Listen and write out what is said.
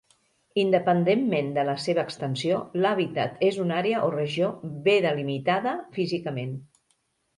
Independentment de la seva extensió, l'hàbitat és una àrea o regió bé delimitada físicament.